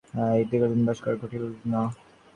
সুতরাং যে গৃহে জন্ম সে গৃহে দীর্ঘকাল বাস করা ঘটিল না।